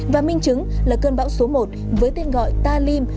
và minh chứng là cơn bão số một với tên gọi ta lim